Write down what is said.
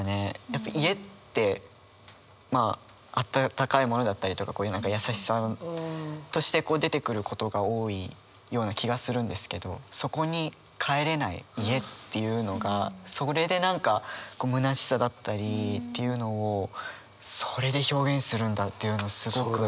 やっぱ家ってまあ温かいものだったりとか優しさとして出てくることが多いような気がするんですけどそこに「帰れない家」っていうのがそれで何かむなしさだったりっていうのをそれで表現するんだというのをすごく。